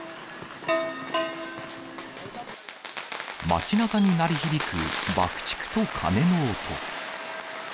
街なかに鳴り響く爆竹と鐘の音。